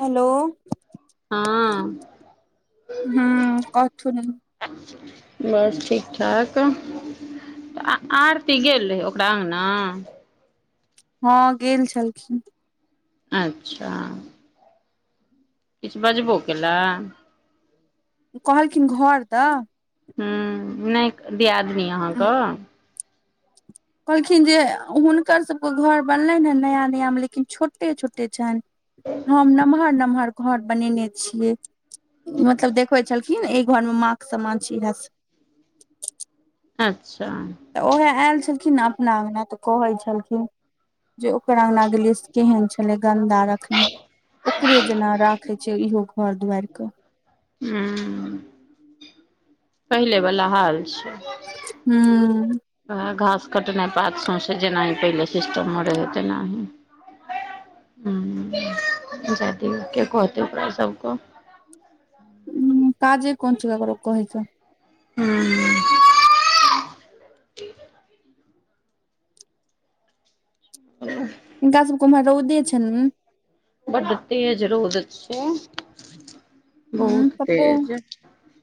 Hello हँ हम्म कहथुन बस ठीक ठाक। आ आरती गेलअ ओकरा आना हँ गेल छलखिन। अच्छा किछ बजबो केला? कहलखिन घर द हम्म नयि दियादनी अहाँ क कहलखिन जे हुनकर सबके घर बनलन हें नया नया मे लेकिन छोटे छोटे छन। हम नम्हर नम्हर घर बनेने छियै। मतलब देखबै छलखिन एय घर मे माँ के समान छी इहा स अच्छा तऽ ओहै एल छलखिन न अपना अंगना तऽ कहै छलखिन जे ओकरा अंगना गेलियै से केहन छलै गन्दा रखने ओकरे जेना राखै छय इहो घर दुआर क हम्म पहिले बला हाल छय। हम्म हं घास कटनाय वाद सौसे जेनाइ पहिले सिस्टमो रहै तेनाही हम्म जाइ दियो के कहतै ओकरा सब के हम्म काजे कोन छै ककरो कहै के हम्म तो हुनका सबके उम्हर रौदे छन बड तेज रौद छयि। हम्म पप्पो,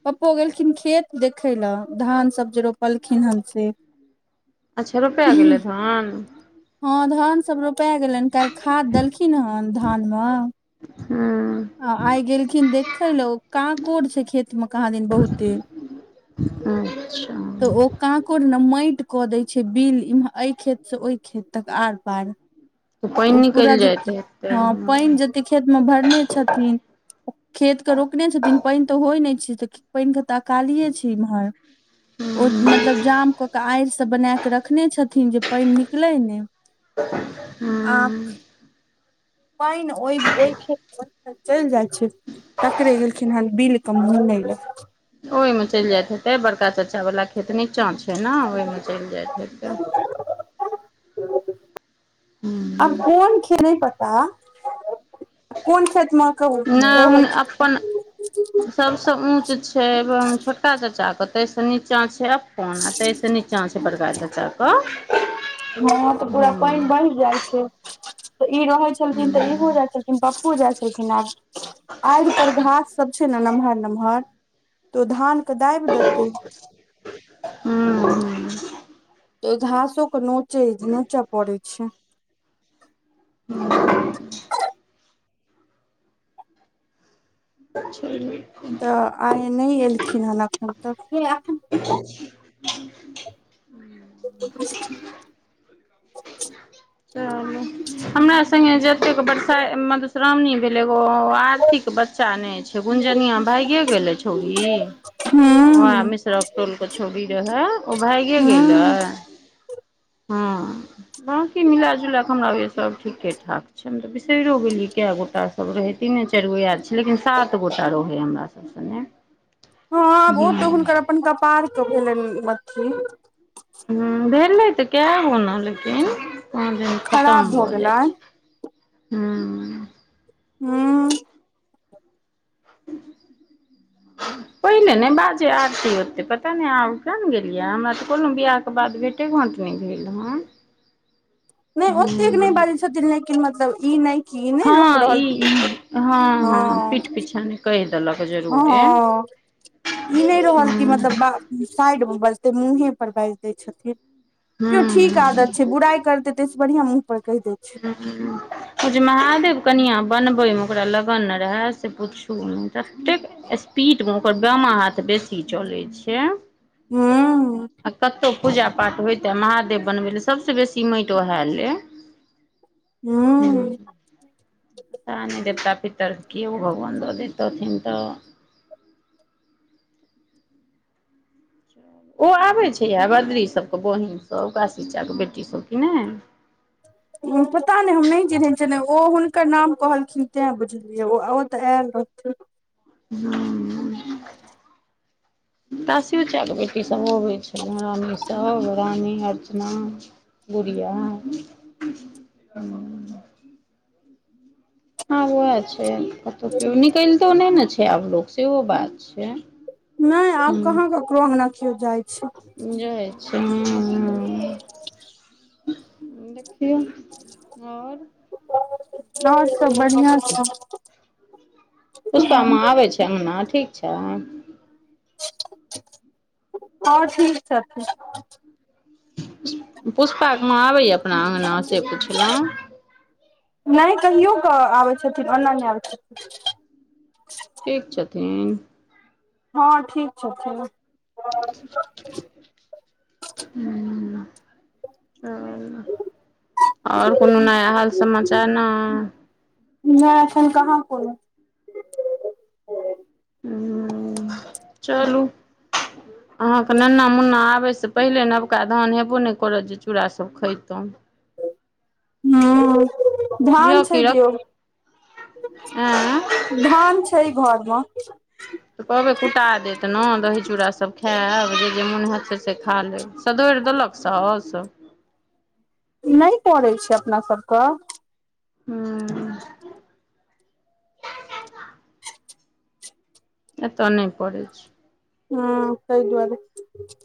पप्पो गेलखिन खेत देखै ले धान सब जे रोपने पलखिन हन से अच्छा रौपै गेलै धान हँ धान सब रौपै गेलनि काल्हि खाद देलखिन हन धान मे हु आ आए गेलखिन देखे लै ओ काँकोर छै खेत मे कहाँ दैन बहुते [unintelligible] तऽ ओ कॉकोड़ ने माटि कऽ दय छै बिल इमह एहि खेत से ओहि खेत तक आर पार तऽ पानि त ओ पूरा निकलि जे जाइत हेतै हँ हूँ पइन जे खेत मे भरने छथिन खेत के रोकने छथिन पइन तऽ होए नहि छै तऽ पइन के तऽ अकालिये छय इम्हर ओ मतलब जाम क के आड़ि सब बना के रखने छथिन जे पइन निकलै नै [inaudible] हँ [unintelligible] पइन ओए ओए खेत चैल जाए छै तकरे एलखिन हन बिल के मुनै लै। ओहिमे चलि जाइत हेतै बड़का चच्चा वला खेत नीचाँ छै ने ओहिमे चलि जाइत हेतै आब हूँ कोन खेत नहि पता कोन खेतमे कहु बहै सबस ऊंच छै ब छोटका चच्चा के तहि से नीचा छै अपन आ तहि से नीच चाँ छै बड़का चच्चा क हँ तऽ पूरा पइन बैह जाए छै। त ई रहै छलखिन तऽ ई हो जाए छलखिन। पप्पो जाए छलखिन है आड़ि पर घास सब छै ने नमहर-नमहर तो धानके दाबि देतै हू हू ओय घासो के नोचैय नोच पड़ै छय [unintelligible] तऽ आए नहि ऐलखिन हन एखन तक चलू हमरा संगै जतेक बरसा मधुश्रावणी भेल एगो ओ आरतीके बच्चा नै छैय गुनजनिया भाइगे गेलै छऊरी ह आ हूँ मिश्रक टोल के छउरी रहे ओ भाइगे गेलै। हूँ हाँ बकी मिला-जुला क हमरा होए यै सब ठीके-ठाक च हम त बिसरि गेलियै कै गोटासब रहै तीने चारि गो याद छैय लेकिन सात गोटा रहै हमरासभ [unintelligible] हाँ आब ओ तऽ हुनकर अपन कपार के भेलनि अथि हुँ भेलै तऽ कैगो ओना लेकिन पाँच दिन खराब खतम भऽ जाए छैय। गेलनि हुँ हुँ पहने नहि बाजे आरती ओते पता नहि आब किये ने गेलियै हमरा तऽ कुनु बियाह के बाद भेट भेटे-गाट नहि भेल रहै नहि ओतेक नै बाजै छथिन लेकिन मतलब ई नहि की नहि लोक हँ रहल ई कि हाँ कनि कहि देलक जरूरे हँ ई नहि रहल कि हूँ मतलब बाप साइड मे बजतै मुंहे पर बाइज दै छथिन तैओ ठीक हूँ आदत छ बुराई करतै तै सँ बढ़ियां मुँह पर कहि देै ओ जे महादेव कनिआ बनबैमे ओकरा लगन रहै से पुछू नहि ततेक स्पीड मे ओकर बामा हाथ बेसी चलैत छै। हुँ आ कतौहु पूजा पाठ होइ तऽ महादेव बनबै लऽ सबसे बेसी माटि वएह लेए। हुँ। पता नहि देवता- पितर कीओ भगवान दऽ देैतथिन तऽ। ओ आबै छैय आब, बद्री सभके बहिन सभ काशी चच्चा के बेटी सभ कि नहि। पता नहि हम नहि चिन्है छिऐन ओ हुनकर नाम कहलखिन तैं बुझलिऐ ओ तऽ आएल रहथीन। हुँ, ताशी चच्चा के बेटी। ई सभ अबै छलै, रानी सभ, रानी, अर्चना, गुड़िया। हुँ। हाँ उएह छै, कतहु केओ निकलितो नहि ने छै आब लोक, सेहो बात छै। नहि आब कहाँ ककरो अँगना छीओ जाइत। जाए छी, हुँ, हुँ। देखि खियोन, आओर आओर सभ बढ़िआँ छै। पुष्पा माँ आबै छै, अंगना ठीक छैन। हँ, ठीक छथिन। पुष्पा के माँ आबैए अपना अङ्गना से पुछलहुँ। नहि कहियो कऽ आबै छथिन ओना नहि आबै छथिन। ठीक छथिन। हँ, ठीक छथिन। हुँ, आओल आओर कोनो नया हाल समाचार नहि। नहि एखन कहाँ कोनो हुँ, चलू। [inaudible] अहाँ के नन्ना -मुन्ना आबैसँ पहिले नवका धान हेबो नै करत जे चूड़ा सब खैतौ। हूँ, ध्यान सँ दियौ। एँ धान छै घर मे। तऽ कहबै कुटा देत नऽ, दही- चूड़ा सब खाएब, जे- जे मोन हैत से से खा लेब। सधोईर देलक सौस। नै पड़ै छै अपना सभ कऽ। हूँ। एत्तऽ नै पड़ै छै। हँ, तै दुआरे।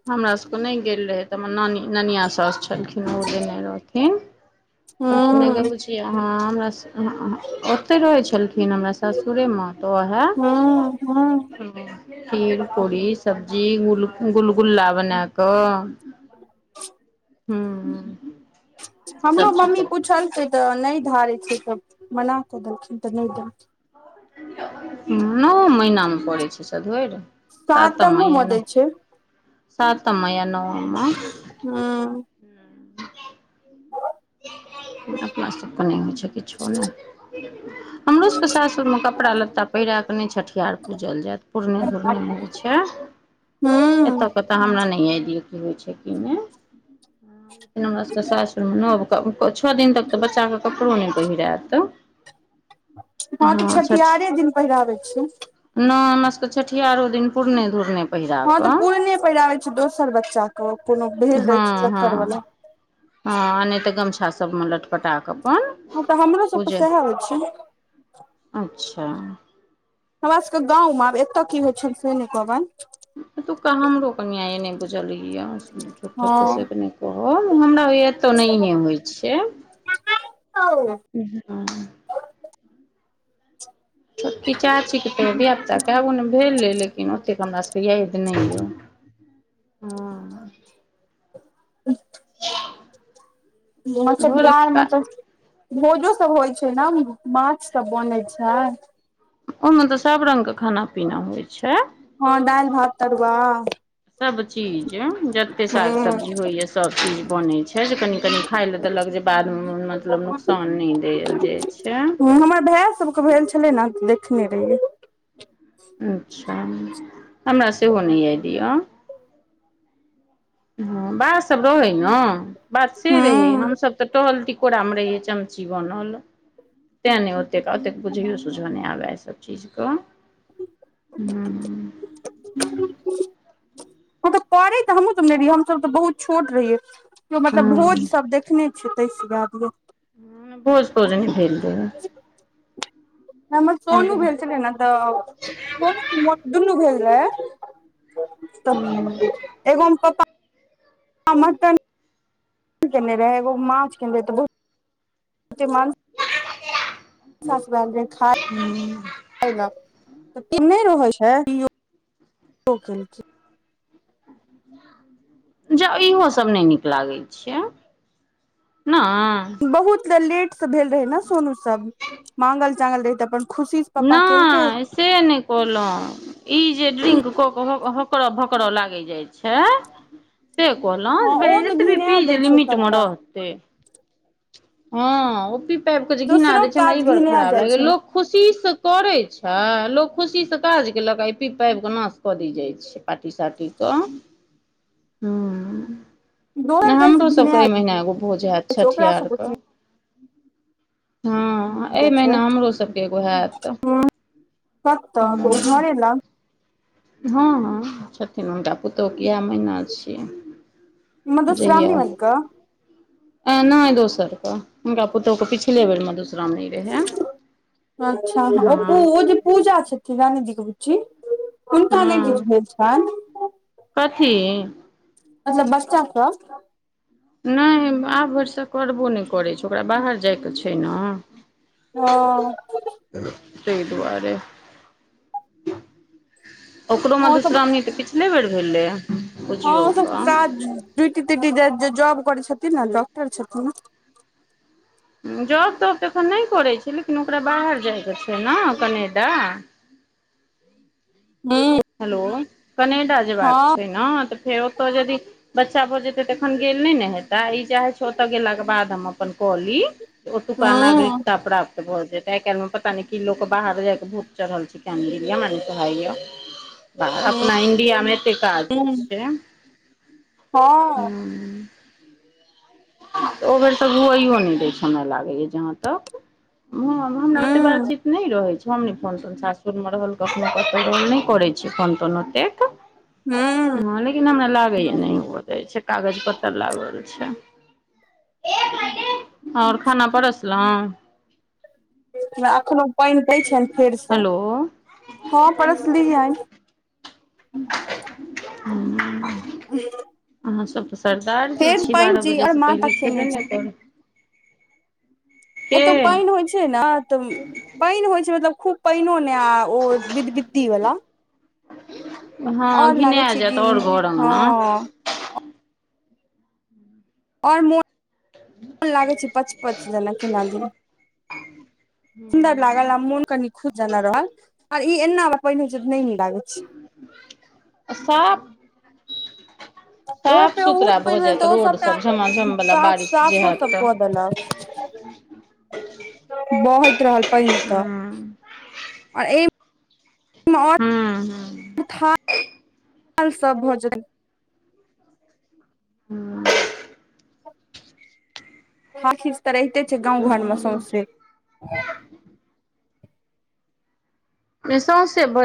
हमरा सभ के नै गेल रहै तऽ, हमर नानी ननियाँ सासु छलखिन, ओ देने रहथिन। कहलखिन नै गे हूँ बुच्च किए हँ, हमरा स, उहुँ-उहुँ, ओतै रहै छलखिन हमरा सासुरे मे। तऽ ओहए हूँ, हूँ। खीर, पूड़ी, सब्जी, गुल -गुलगुल्ला बना कऽ- हूँ- हमरो सभचीज मम्मी कऽ कऽ पूछल कै तऽ नैय धारेै छै त मना कऽ देलखिन तऽ नैय देलखिन। नौप्पर्नऽ महीना मे पड़ै छै सधौइर? सातम सातमो मे दै मयना- छै सातम मयनवां मे- हूँ। अपना सब केँ नैय होय छैय किछो नैय। हमरो सब के सासुर मे कपड़ा लत्ता पहिरा कऽ नैय छठिहार पूजल जैऽत पुरने- धुरने मे होय छैय। हूँ- ओतऽ हमरा नैय यैद अइ की होय छैय की नैय? लेकिन हमरा सब के सासुर मे नव त क छ दिन तक तऽ बच्चा के कपड़ो नैय पहिरैऽत। हँ त छठिहारे दिन पहिराबै छैय। नैय हमरा सब के छठियारो दिन पूुरने -धुुरने हँ तऽ पूुरने पहिराबै छैय दोसर बच्चा के कोनो भेल रहै छै हँ हँ तेक्कर वला। हँ आ नैय तऽ गमछा सब मे लटपटा कऽ अपन हँ तऽ हमरो सब के पूजे सेहेऽ होय छैय। अच्छा- हमरा सब के गाँव मे आब एतऽ की होय छैन से नै कहबैन। एतुका हमरो कनिया यै नैय बुझल यैऽ झुठ्ठे हँ -फुस्से के नय ओ हमरा होययैऽ एत्त नैहे होय छैय। छोटकी चाची के त धियापुता केगो ने भेलै लेकिन ओतेक हमर सब के यैद नै यऽ। हँ [unintelligible] छठिहार घरक मऽतऽ- भोजो सब होय छैय न [unintelligible] माछ सब बनै छैय? ओय मे तऽ सब रंग के खाना पीना होय छैय। हँ दैल, भात, तरुआ सब चीज एं- जत्ते साग सब्जी होययैऽ सब चीज बनै छै जे कनि -कनी खाय लए देलक जे बाद मे म- मतलब नोकसान नैय देल जाय छै। हं हमर भैऽ सबके भेल छ- छलै ने त देखने रहियै। अच्छा, हमरा सेहो नै यैद यैऽ। हं बा सब रहै न बात से रहै हूं हम सब तऽ टहल टिकोरा मे रहियै। चमची बनल तैं नै ओतेक, ओतेक बुझैयो सुझो नैय आबे ऐअ सब चीज क। हूँ- करय त हमहुं सब ने रहियैऽ, हम सब त बहुत छोट रहियैऽ, कियो मतलब हँ भोज सब देखने [unintelligible] भोज- तोज नै भेल रहैइ। हमर सोनू भेल छलै ने तब, सोनु कि मोनु दुनू भेल रहै तऽ जे एगोमे पप्पा [unintelligible] मटन केने रहै एगो में माछ केने रहै तऽ बहुत साउस [unintelligible] खाय ऐन, इ नै रहै छैय [unintelligible] ओखेलखिन। ज इहो सब नै नीक लागै छियै नय? बहुत त लेट से भेल रहै न सोनु सब मांगल -चांगल रहै त अपन खुशी से पप्पा केलकै नय से नइ कहलौ इ जे ड्रिंक कऽ के हक-हकङऽ- भकड़ऽ लागै जाइ छैय से कहलौं हँ जे ओ तऽ एतबे घिना पी दै जे छै लिमिटमे सबटा रहतय। हाँ ओ पी पैब के जे घिना दोसरो दय छैय हमरा इ काज बड़ घिना खराब जाइ लागे या छै लोक लोक खुशीसँ करय छैय लोक खुशीसँ काज केलक इ पी पैब क नाश कऽ दय जाइ छैय छैय पाटी साटी कऽ, हुँ। ओना दोसर कहै छै हमरोसभके घिना एहि महीना एगो भोज हैत जाइ छै ओकरा छठियार। सबके हँ। अय छै महीना हमरो सबके एगो हैत, हुँ। कतऽ घरे लग। हुँ- हूँ छथिन हुनका पुतहुके इएह मैहना छियनि। जहिया मधुश्रावणी वाली कऽ ए नय दोसर के हुनका पुतोह के पिछले बेर मधुश्रामनी अच्छा हँ उ जे पू पूजा छथिन रानीजीे के बुच्ची उनका नय हँ किछ भेल छैन। कथी। अच्छा बच्चा क नय आब भेरसक करबो नय करय छैय ओकरा बाहर जायके छैय न। ओ। तेय दुआरे। ओकरो ओ सब मधुश्रामनी त पिछले बेर भेलै या। हाँ और सबके काज ड्यूटी त्यूटी जाय जे जाॅब करय छथिन न डाॅक्टर छथिन न। जॉब -तॉब त एखन नय करय छैय लेकिन ओकरा बाहर जाइके छैय न कनेडा। हूँ। हेलो कनेडा जेबाक हँ छैय नऽ त फेर ओतऽ जदि बच्चा भ जेतय त एखन गेल नय नऽ हेतैय, इ चाहैय छैय ओतऽ गेलाके बाद हम अपन कऽ ली। ओतुका हूँ नागरिक ता प्राप्त भ जेतय। आए- काल्हि मे पता नय कि लोकके बाहर जाय के भूत चढ़ल छैय कियै नय गेलिये हमरा नय सोहाइया। हूँ अपना इंडियामे एते काज हँ छैय, हूँ। त ओ बेर त हुअइयो नय दैय छैय लागैया जहाँ तक। हां हमरा ओते हूँ बातचीत नय रहय छैय। हम नय फोन -तोन सासुरमे रहल कखनो कतौ, हम नय करय छियै फोन -तोन ओतेक। हूँ हाँ लेकिन हमरा लागै या नय उहो जाय छैय कागज पत्तर लागल छैय। और खाना परसलौं। एखनो पाइन दय छैन फेरसुँ, हेलो हाँ परसलीयए। हूँ। [unintelligible] अहाँसब त सरदारजी फेर छी पानि बारह जी और बजेसँ माथा पहिले खेने खेबे छै नय करब। एतौ पाइन होइ छैय न त पाइन होइ छैय मतलब खूब पाइनो नय आ ओ बिद- बिद्दी बला। हँ और लागैय घिना छैय जायत कि आओर घर हँ अङ्गना और मोन लागैय छैय पच- पच जेना केना दुन। सुन्दर लागल आ मोन कनि खुश जना रहल। आ ई एना बला पइन होइ छैय नय नीक लागैय छैय। साफ ओ साफ बहुत सुथरा भऽ पहिने जायत तऽ ओ रोड सबटा सब झमाझम वाला साफ बारिश जे साफो हैत सब तऽ क देलक बहैत रहल पाइन तऽ हूँ आ ए आ हूँ हूँ एम्ह था ल सब भऽ जेत इ हम्म थाल खीच तऽ रहिते छै गाँव घरमे चलू सौंसे सौसेे ब